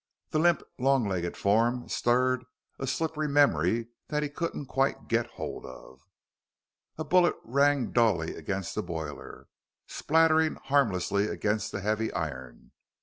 The limp, long legged form stirred a slippery memory that he couldn't quite get hold of. A bullet rang dully against the boiler, spattering harmlessly against the heavy iron.